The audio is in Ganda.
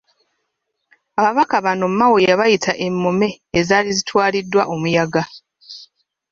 Ababaka bano Mao yabayita emmome ezaali zitwaliddwa omuyaga.